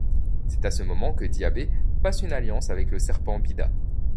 C'est à ce moment que Dyabé passe une alliance avec le serpent Bida.